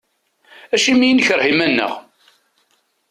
Acimi i nekreh iman-nneɣ?